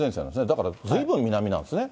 だから、ずいぶん南なんですね。